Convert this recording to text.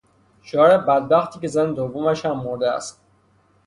شوهر بدبختی که زن دومش هم مرده است